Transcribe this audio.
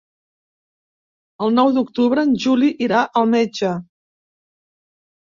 El nou d'octubre en Juli irà al metge.